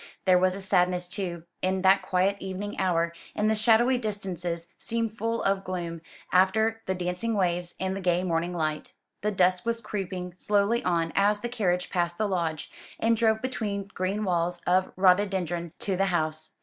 There was a sadness too in that quiet evening hour; and the shadowy distances seemed full of gloom, after the dancing waves, and the gay morning light. The dusk was creeping slowly on as the carriage passed the lodge, and drove between green walls of rhododendron to the house.